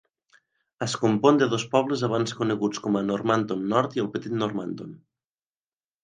Es compon de dos pobles abans coneguts com a Normanton Nord i el Petit Normanton.